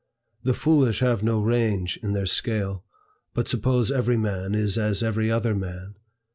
The foolish have no range in their scale, but suppose every man is as every other man.